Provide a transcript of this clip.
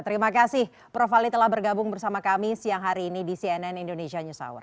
terima kasih prof ali telah bergabung bersama kami siang hari ini di cnn indonesia news hour